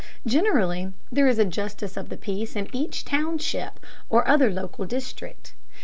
Generally there is a justice of the peace in each township or other local district.